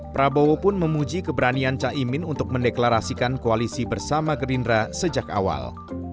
prabowo pun memuji keberanian caimin untuk mendeklarasikan koalisi bersama gerindra sejak awal